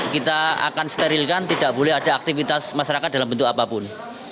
kita akan sterilkan tidak boleh ada aktivitas masyarakat dalam bentuk apapun